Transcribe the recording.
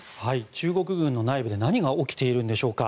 中国軍の内部で何が起きているんでしょうか。